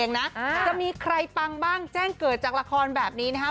จะมีใครปังบ้างแจ้งเกิดจากละครแบบนี้นะครับ